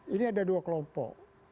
ini ada dua kelompok